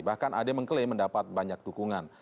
bahkan ade mengklaim mendapat banyak dukungan